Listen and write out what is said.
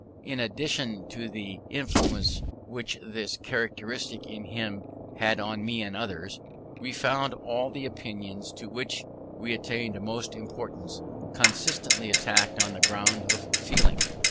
In addition to the influence which this characteristic in him had on me and others, we found all the opinions to which we attached most importance, constantly attacked on the ground of feeling.